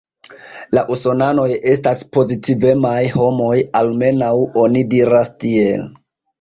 La Usonanoj estas pozitivemaj homoj, almenaŭ oni diras tiel.